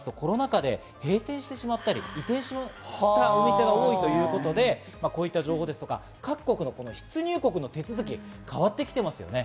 なぜかと言いますとコロナ禍で閉店してしまったり移転したお店が多いということで、こういった情報ですとか、各国の出入国の手続きも変わってきていますよね。